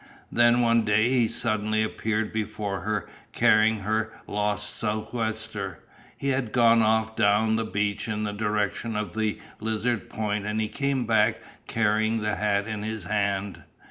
Then one day he suddenly appeared before her carrying her lost sou'wester. He had gone off down the beach in the direction of the Lizard Point and he came back carrying the hat in his hand.